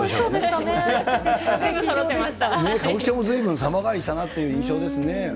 すてきな歌舞伎町もずいぶん様変わりしたなという印象ですね。